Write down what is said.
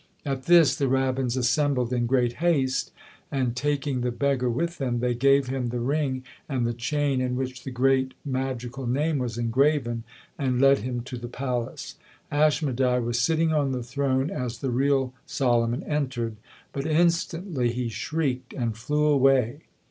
At this the rabbins assembled in great haste, and taking the beggar with them, they gave him the ring and the chain in which the great magical name was engraven, and led him to the palace. Asehmedai was sitting on the throne as the real Solomon entered; but instantly he shrieked and flew away.